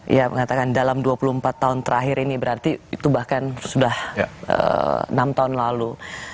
ya mengatakan dalam dua puluh empat tahun terakhir ini berarti itu bahkan sudah enam tahun lalu